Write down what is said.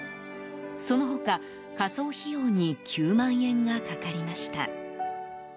その他、火葬費用に９万円がかかりました。